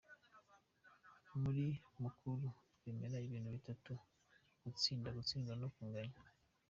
Muri Mukura twemera ibintu bitatu, gutsinda, gutsindwa no kunganya.